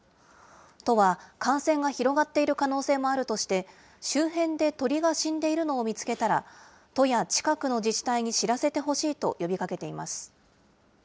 都は感染が広がっている可能性もあるとして、周辺で鳥が死んでいるのを見つけたら、都や近くの自治体に知らせてほしいと呼びかけています。